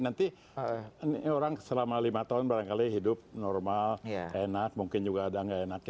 nanti orang selama lima tahun barangkali hidup normal enak mungkin juga ada nggak enak